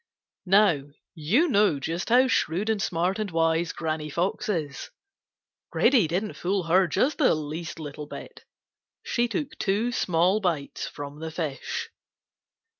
Now you know just how shrewd and smart and wise Granny Fox is. Reddy didn't fool her just the least little bit. She took two small bites from the fish.